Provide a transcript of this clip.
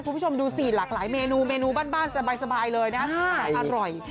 คุณผู้ชมดูสิหลากหลายเมนูเมนูบ้านสบายเลยนะแต่อร่อย